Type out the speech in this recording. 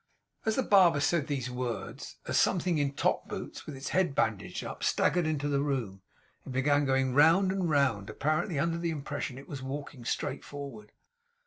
As the barber said these words, a something in top boots, with its head bandaged up, staggered into the room, and began going round and round and round, apparently under the impression that it was walking straight forward.